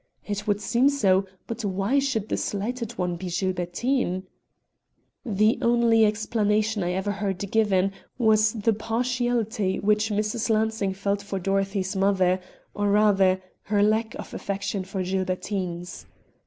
It would seem so, but why should the slighted one be Gilbertine? The only explanation I ever heard given was the partiality which Mrs. Lansing felt for Dorothy's mother, or, rather, her lack of affection for Gilbertine's.